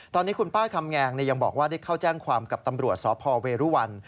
ตอนนี้คุณป้าคำแงงยังบอกว่าได้เข้าแจ้งความกับตำรวจสพเวรุวัน